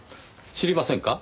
知りませんか？